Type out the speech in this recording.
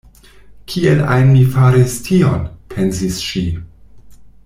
“Kiel ajn mi faris tion?” pensis ŝi.